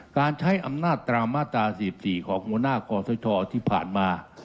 การใช้อำนาจตามมาตรา๔๔ของหัวหน้าคอสชที่ผ่านมา